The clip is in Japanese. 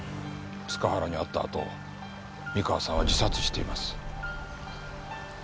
塚原に会った後三河さんは自殺しています。